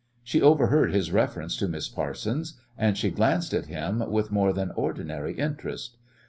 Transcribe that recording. She overheard his reference to Miss Parsons, and she glanced at him with more than ordinary interest.